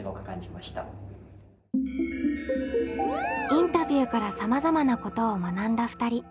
インタビューからさまざまなことを学んだ２人。